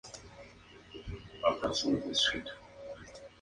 Se trata de un estratovolcán de forma cónica.